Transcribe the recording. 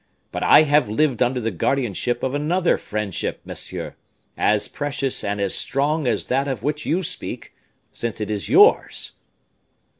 But I have lived under the guardianship of another friendship, monsieur, as precious and as strong as that of which you speak, since it is yours."